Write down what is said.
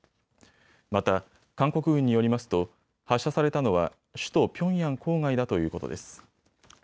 また、韓国軍によりますと発射されたのは首都ピョンヤン郊外だということです。